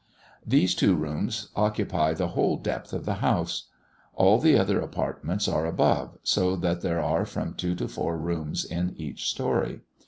These two rooms occupy the whole depth of the house. All the other apartments are above, so that there are from two to four rooms in each story.